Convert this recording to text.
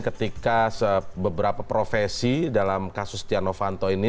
ketika beberapa profesi dalam kasus stiano fanto ini